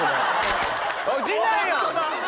おい次男やん！